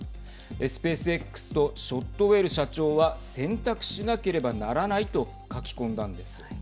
スペースＸとショットウェル社長は選択しなければならないと書き込んだんです。